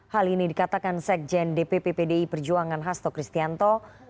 hal ini dikatakan sekjen dpp pdi perjuangan hasto kristianto